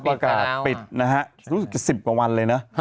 ประกาศปิดนะฮะรู้สึกจะ๑๐กว่าวันเลยนะ